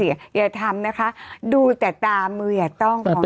อย่าทำนะคะดูแต่ตามือต้องของเจ้าเหรีย